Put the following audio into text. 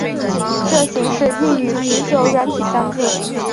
这形式亦与啤酒软体相近。